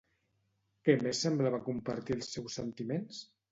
Què més semblava compartir els seus sentiments?